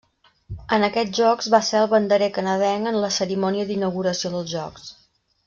En aquests Jocs va ser el banderer canadenc en la cerimònia d'inauguració dels Jocs.